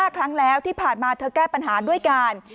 ๕ครั้งแล้วที่ผ่านมาเธอแก้ปัญหาด้วยกัน